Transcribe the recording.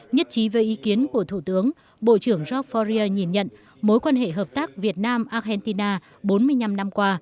nhất trí về ý kiến của thủ tướng bộ trưởng jacques fourier nhìn nhận mối quan hệ hợp tác việt nam argentina bốn mươi năm năm qua